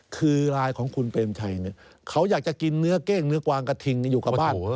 คือลายของคุณเปรมชัยเขาอยากจะกินเนื้อเก้งเนื้อกวางกระทิงอยู่กับบ้าน